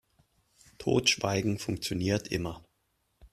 Totschweigen funktioniert immer.